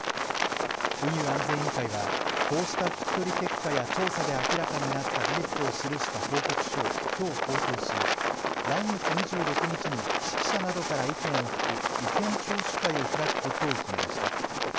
運輸安全委員会はこうした聞き取り結果や調査で明らかになった事実を記した報告書をきょう公表し、来月２６日に識者などから意見を聞く意見聴取会を開くことを決めました。